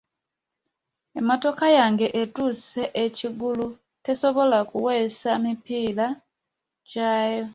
Emmotoka yange ekutuse ekiggulu tesobola kuwesa mipiira gyayo.